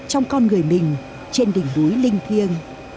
trong con người mình trên đỉnh núi linh thiên